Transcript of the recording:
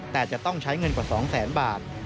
แต่จะต้องใช้เงินกว่า๒แสนบาท